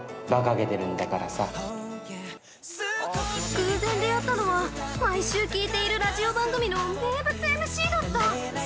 ◆偶然出会ったのは毎週聞いているラジオ番組の名物ＭＣだった！